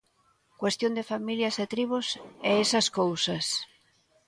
Cuestión de familias e tribos e esas cousas.